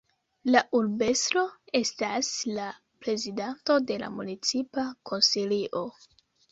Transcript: La urbestro estas la prezidanto de la Municipa Konsilio.